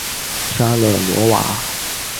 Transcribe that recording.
沙勒罗瓦。